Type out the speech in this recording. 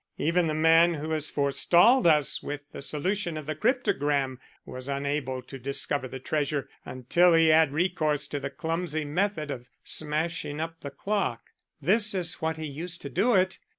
Even the man who has forestalled us with the solution of the cryptogram was unable to discover the treasure until he had recourse to the clumsy method of smashing up the clock. This is what he used to do it."